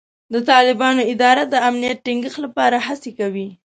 د طالبانو اداره د امنیت ټینګښت لپاره هڅې کوي.